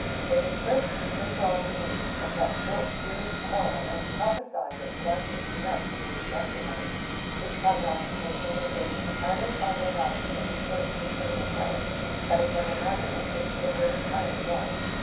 They dispersed to put abroad the news of that short furious quarrel and to prophesy that blood would be let in the adjusting of it. This prognostication the they based entirely upon their knowledge of the short Tressilian way. But it was a matter in which they were entirely wrong.